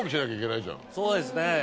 そうですね。